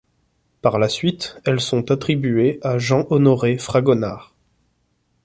Par la suite, elles sont attribuées à Jean-Honoré Fragonard.